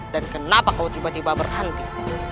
dan kenapa kau tiba tiba berhenti